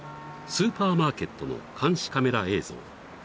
［スーパーマーケットの監視カメラ映像］